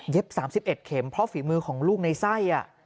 ๓๑เข็มเพราะฝีมือของลูกในไส้